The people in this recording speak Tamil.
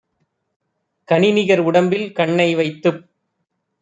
கனிநிகர் உடம்பில் கண்ணை வைத்துப்